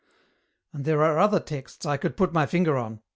"And there are other texts I could put my finger on.